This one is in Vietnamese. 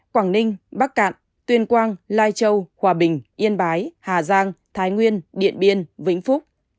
quảng ninh bắc cạn tuyên quang lai châu hòa bình yên bái hà giang thái nguyên điện biên vĩnh phúc